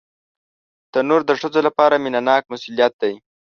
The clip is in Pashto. تنور د ښځو لپاره مینهناک مسؤلیت دی